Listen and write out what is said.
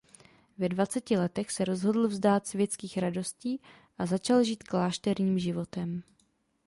Ve dvaceti letech se rozhodl vzdát světských radostí a začal žít klášterním životem.